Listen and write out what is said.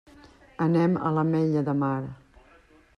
Anem a l'Ametlla de Mar.